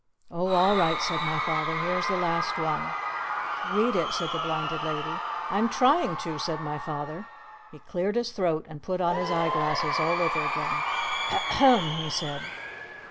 "Oh all right," said my Father. "Here's the last one." "Read it!" said the Blinded Lady. "I'm trying to!" said my Father. He cleared his throat and put on his eye glasses all over again. "Ahem!" he said.